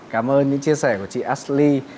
cảm ơn những chia sẻ của chị ashley